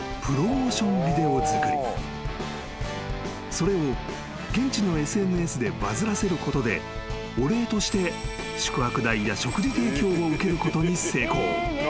［それを現地のＳＮＳでバズらせることでお礼として宿泊代や食事提供を受けることに成功］